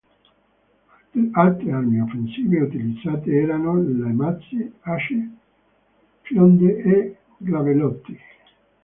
Altre armi offensive utilizzate erano le mazze, asce, fionde e giavellotti.